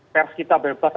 pers kita berlapis lapis